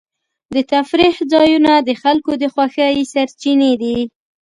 د تفریح ځایونه د خلکو د خوښۍ سرچینې دي.